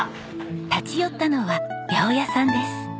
立ち寄ったのは八百屋さんです。